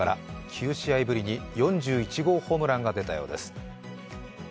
９試合ぶりに４１号ホームランが出たようです。